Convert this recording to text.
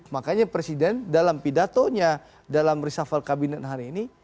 makanya presiden dalam pidatonya dalam reshuffle kabinet hari ini